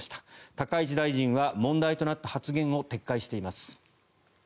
高市大臣は、問題となった発言を撤回しています。